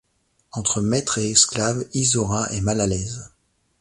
Entre maîtres et esclaves, Isaura est mal à l'aise.